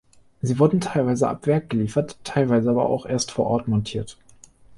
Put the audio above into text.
Sie wurden teilweise ab Werk geliefert, teilweise aber auch erst vor Ort montiert.